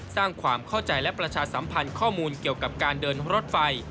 สร้างความเข้าใจและประชาสัมพันธ์ข้อมูลเกี่ยวกับการเดินรถไฟ